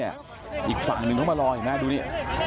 อีกฝั่งหนึ่งเขามาลอยดูนี่